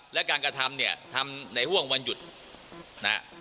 และการกระทำเนี่ยทำในห่วงวันหยุดนะฮะ